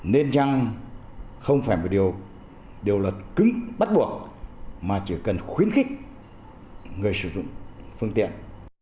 nên chăng không phải một điều luật cứng bắt buộc mà chỉ cần khuyến khích người sử dụng phương tiện